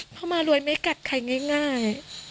เพราะมารวยไม่กัดใครง่าย